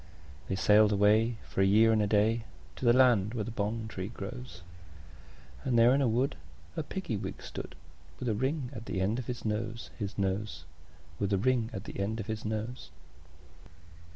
They sailed away, for a year and a day, To the land where the bong tree grows; And there in a wood a Piggy wig stood, With a ring at the end of his nose, His nose, His nose, With a ring at the end of his nose.